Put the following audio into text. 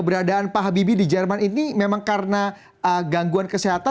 keberadaan pak habibie di jerman ini memang karena gangguan kesehatan